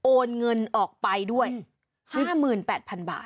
โอนเงินออกไปด้วย๕๘๐๐๐บาท